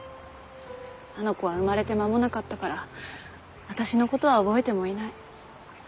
あの子は生まれて間もなかったから私のことは覚えてもいない。